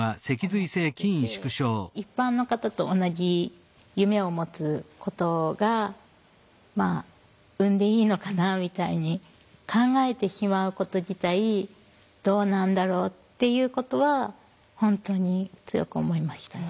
一般の方と同じ夢を持つことがまあ産んでいいのかなみたいに考えてしまうこと自体どうなんだろうっていうことは本当に強く思いましたね。